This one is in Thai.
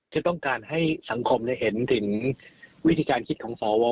จะต้องการให้สังคมเห็นถึงวิธีการคิดของสว